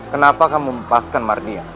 kenapa kamu mempaskan mardian